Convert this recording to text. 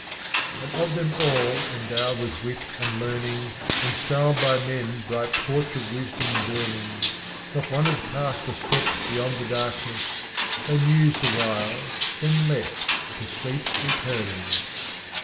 VIII. And of Them All endowed with Wit and Learning, And styled by Men 'bright Torch of Wisdom burn ing,' Not One has passed a Step beyond the Darkness, They mused a while, then left, to Sleep returning.